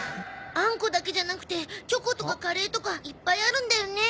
あんこだけじゃなくてチョコとかカレーとかいっぱいあるんだよね。